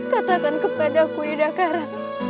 katakan kepadaku yudhokara